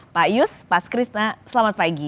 pak yus pak krisna selamat pagi